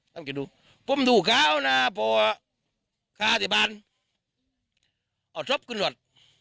ต้องกินดูผมดูขาวหน้าพ่อข้าที่บ้านเอาทรัพย์ขึ้นหน่อย